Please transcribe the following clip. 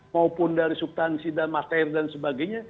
maupun dari subtansi dan materi dan sebagainya